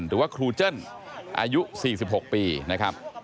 หรือว่าครูเจิ้ลอายุ๔๖ปี